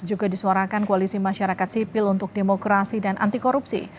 juga disuarakan koalisi masyarakat sipil untuk demokrasi dan anti korupsi